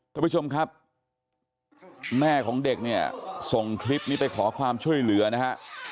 ท่านผู้ชมครับแม่ของเด็กเนี่ยส่งคลิปนี้ไปขอความช่วยเหลือนะฮะ